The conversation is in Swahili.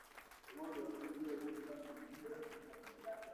Kiongozi wa kundi hilo Sultani Makenga